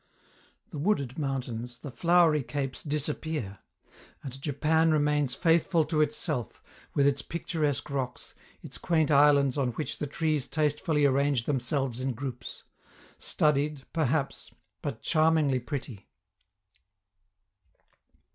The wooded mountains, the flowery capes disappear. And Japan remains faithful to itself, with its picturesque rocks, its quaint islands on which the trees tastefully arrange themselves in groups studied, perhaps, but charmingly pretty.